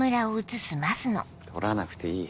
撮らなくていい。